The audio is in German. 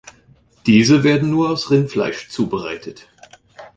Diese werden nur aus Rindfleisch zubereitet.